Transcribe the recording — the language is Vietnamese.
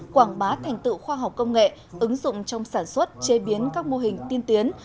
quảng bá thành tựu khoa học công nghệ ứng dụng trong sản xuất chế biến các mô hình tiên tiến